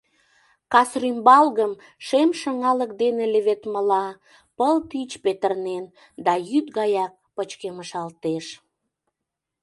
Кас рӱмбалгым шем шыҥалык дене леведмыла, пыл пич петырнен, да йӱд гаяк пычкемышалтеш.